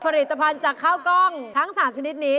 ผลิตภัณฑ์จากข้าวกล้องทั้ง๓ชนิดนี้